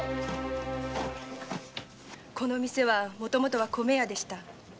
この店はもともと米屋でした。